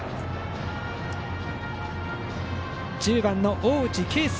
１０番、大内啓輔。